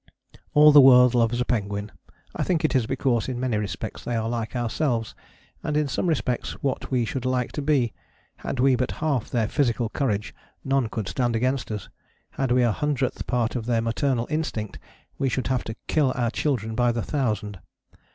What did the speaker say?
All the world loves a penguin: I think it is because in many respects they are like ourselves, and in some respects what we should like to be. Had we but half their physical courage none could stand against us. Had we a hundredth part of their maternal instinct we should have to kill our children by the thousand.